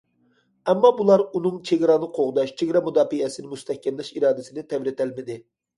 ئەمما بۇلار ئۇنىڭ چېگرانى قوغداش، چېگرا مۇداپىئەسىنى مۇستەھكەملەش ئىرادىسىنى تەۋرىتەلمىدى.